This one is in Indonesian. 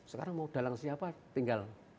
sekarang mau dalang siapa tinggal